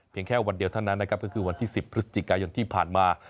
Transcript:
แค่วันเดียวเท่านั้นนะครับก็คือวันที่๑๐พฤศจิกายนที่ผ่านมา